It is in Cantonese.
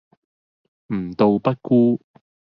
吾道不孤